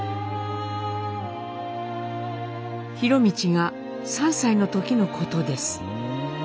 博通が３歳の時のことです。